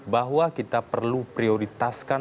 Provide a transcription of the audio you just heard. bahwa kita perlu prioritaskan